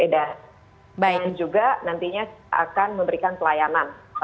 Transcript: dan juga nantinya akan memberikan pelayanan